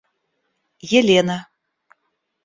Елена